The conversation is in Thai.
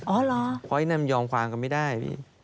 เพราะฉะนั้นนั้นมันยอมควางก็ไม่ได้